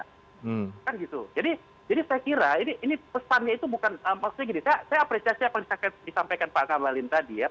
kan gitu jadi saya kira ini pesannya itu bukan maksudnya gini saya apresiasi apa yang disampaikan pak ngabalin tadi ya